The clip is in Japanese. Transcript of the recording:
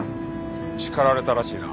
叱られたらしいな。